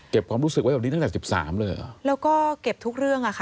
ความรู้สึกไว้แบบนี้ตั้งแต่สิบสามเลยเหรอแล้วก็เก็บทุกเรื่องอ่ะค่ะ